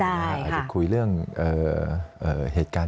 อาจจะคุยเรื่องเหตุการณ์